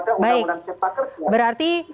undang undang cipta kerja